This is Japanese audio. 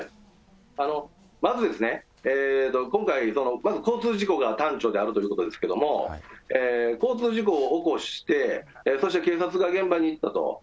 まずですね、今回、まず交通事故が端緒であるということですけれども、交通事故を起こして、そして警察が現場に行ったと。